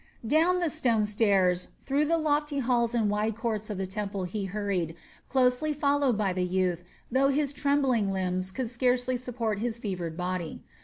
Down the stone stairs, through the lofty halls and wide courts of the temple he hurried, closely followed by the youth, though his trembling limbs could scarcely support his fevered body.